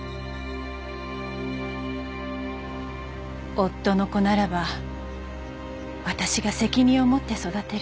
夫の子ならば私が責任を持って育てるって。